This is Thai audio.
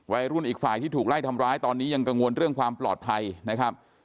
อีกฝ่ายที่ถูกไล่ทำร้ายตอนนี้ยังกังวลเรื่องความปลอดภัยนะครับ